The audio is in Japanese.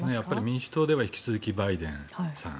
民主党では引き続きバイデンさん